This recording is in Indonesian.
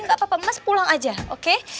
gak apa apa mas pulang aja oke